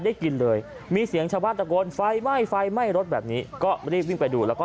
กินเลยมีเสียงชาวบ้านตะโกนไฟไหม้ไฟไหม้รถแบบนี้ก็รีบวิ่งไปดูแล้วก็